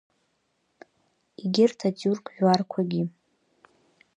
Егьырҭ атиурк жәларқәагьы.